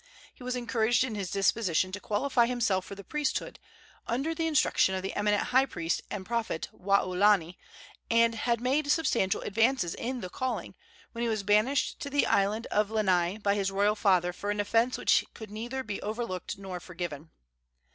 He was encouraged in his disposition to qualify himself for the priesthood, under the instruction of the eminent high priest and prophet, Waolani, and had made substantial advances in the calling, when he was banished to the island of Lanai by his royal father for an offence which could neither be overlooked nor forgiven.